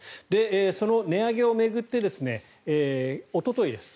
その値上げを巡っておとといです